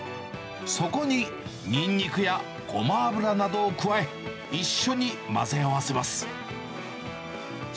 そこに、ニンニクやごま油などを加え、一緒に混ぜ合わせます。